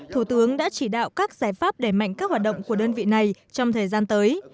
thủ tướng đã chỉ đạo các giải pháp để mạnh các hoạt động của đơn vị này trong thời gian tới